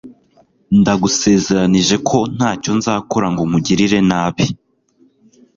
Ndagusezeranije ko ntacyo nzakora ngo nkugirire nabi